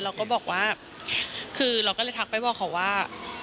เราก็บอกว่าคือเราก็เลยทักไปบอกเขาว่า